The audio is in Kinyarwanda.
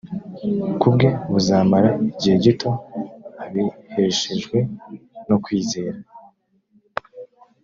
ku bwe buzamara igihe gito abiheshejwe no kwizera